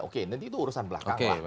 oke nanti itu urusan belakang lah